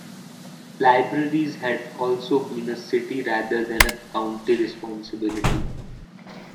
Libraries had also been a city rather than a county responsibility.